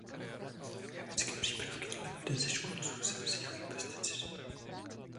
Chemické přípravky na likvidaci škůdců se nazývají pesticidy.